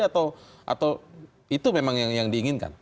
atau itu memang yang diinginkan